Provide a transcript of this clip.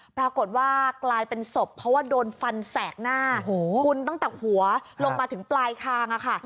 ปรากฏว่ากลายเป็นศพเพราะว่าโดนฟันแสกหน้าคุณตั้งแต่หัวลงมาถึงปลายคางอะค่ะ